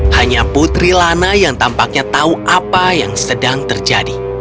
hanya putri lana yang tampaknya tahu apa yang sedang terjadi